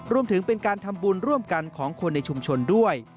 รวมถึงเป็นการทำบุญร่วมกันของคนในชุมชนด้วย